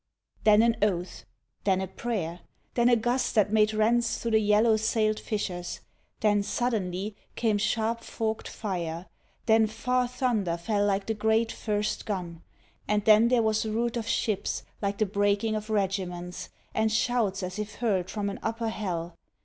Then an oath. Then a prayer! Then a gust that made rents Through the yellow sailed fishers. Then suddenly Came sharp forked fire! Then far thunder fell Like the great first gun! Ah, then there was route Of ships like the breaking of regiments And shouts as if hurled from an upper hell.